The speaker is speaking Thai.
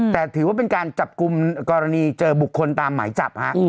แต่ถือว่าเป็นการจับกลุ่มกรณีเจอบุคคลตามหมายจับฮะ